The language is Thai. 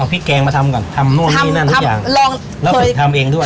เอาพริกแกงมาทำก่อนทำนั่นนั่นทุกอย่างลองเราเคยทำเองด้วย